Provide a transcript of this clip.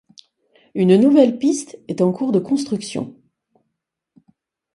Une nouvelle piste est en cours de construction.